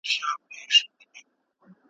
انتيک پلورونکی کولای سي ښه قيمت وټاکي.